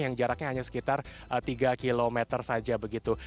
yang jaraknya hanya sekitar tiga km saja begitu